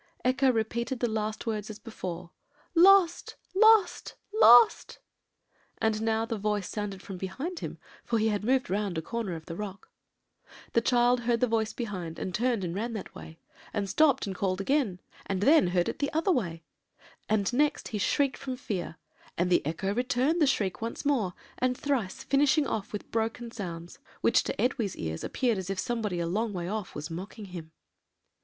Echo repeated the last words as before, 'Lost! lost! lost!' and now the voice sounded from behind him, for he had moved round a corner of a rock. "The child heard the voice behind, and turned and ran that way; and stopped and called again, and then heard it the other way; and next he shrieked from fear, and echo returned the shriek once more, and thrice, finishing off with broken sounds, which to Edwy's ears appeared as if somebody a long way off was mocking him.